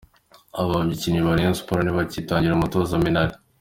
Abakinnyi ba Rayon Sports ntibacyitangira umutoza Minnaert.